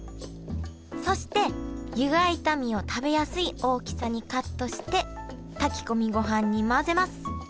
そして湯がいた身を食べやすい大きさにカットして炊き込みごはんに混ぜます。